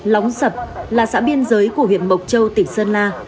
lóng sập là xã biên giới của huyện mộc châu tỉnh sơn la